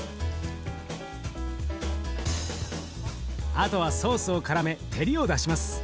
あとはソースをからめ照りを出します。